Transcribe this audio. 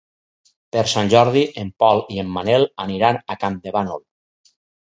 Per Sant Jordi en Pol i en Manel aniran a Campdevànol.